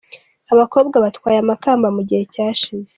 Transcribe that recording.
Abakobwa batwaye amakamba mu gihe cyashize.